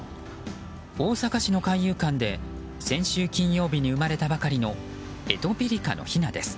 大阪市の海遊館で先週金曜日に生まれたばかりのエトピリカのひなです。